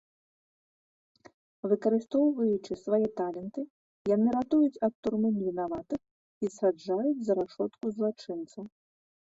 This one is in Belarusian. Выкарыстоўваючы свае таленты, яны ратуюць ад турмы невінаватых і саджаюць за рашотку злачынцаў.